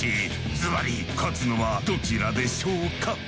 ずばり勝つのはどちらでしょうか？